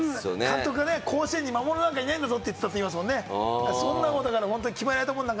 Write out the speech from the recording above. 監督が、甲子園に魔物なんかいないんだぞって言ってたって言いますもんね。